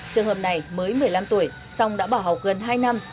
trường hợp này mới một mươi năm tuổi xong đã bỏ học gần hai năm